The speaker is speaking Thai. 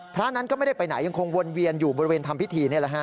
พระนั้นก็ไม่ได้ไปไหนยังคงวนเวียนอยู่บริเวณทำพิธีนี่แหละฮะ